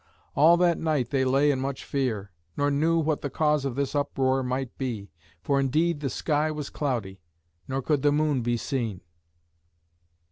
All that night they lay in much fear, nor knew what the cause of this uproar might be, for indeed the sky was cloudy, nor could the moon be seen.